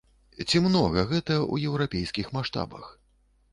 Ці многа гэта ў еўрапейскіх маштабах?